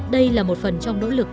đây là một phần trong nỗ lực